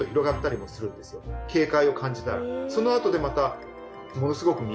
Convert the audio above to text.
警戒を感じたら。